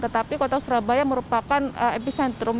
tetapi kota surabaya merupakan epicentrum